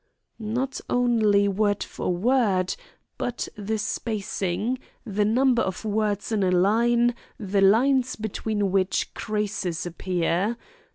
"Not only word for word, but the spacing, the number of words in a line, the lines between which creases appear.